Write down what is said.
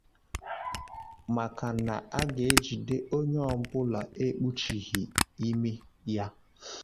maka na a ga-ejide onye ọbụla ekpuchighị imi ya.